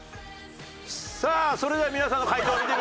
さあそれでは皆さんの解答を見て。